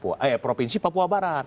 eh ya provinsi papua barat